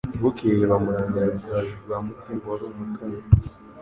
Bukeye bamurangira Rugaju rwa Mutimbo wari umutoni